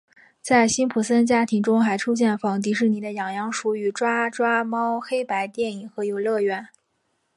在辛普森家庭中还出现仿迪士尼的痒痒鼠与抓抓猫黑白电影和游乐园。